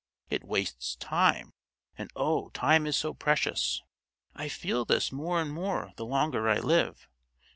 It wastes time, and oh, time is so precious! I feel this more and more the longer I live.